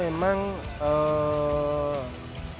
perlindungan perusahaan di area ini